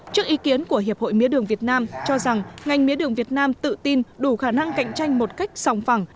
trước ý kiến của hiệp hội mía đường việt nam cho rằng ngành mía đường việt nam tự tin đủ khả năng cạnh tranh một cách sòng phẳng